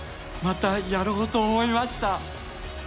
またやろうと思いました。